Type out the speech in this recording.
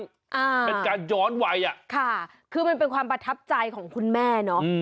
อ่าเป็นการย้อนวัยอ่ะค่ะคือมันเป็นความประทับใจของคุณแม่เนอะ